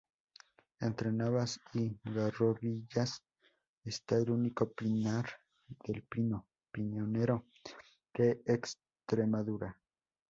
Entre Navas y Garrovillas está el único pinar de pino piñonero de Extremadura.